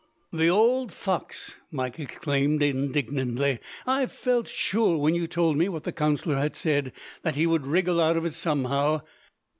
"The ould fox!" Mike exclaimed indignantly. "I felt sure, when you told me what the counsellor had said, that he would wriggle out of it somehow.